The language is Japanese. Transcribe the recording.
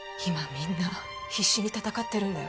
みんな必死に戦ってるんだよ